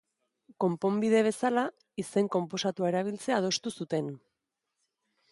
Konponbide bezala izen konposatua erabiltzea adostu zuten.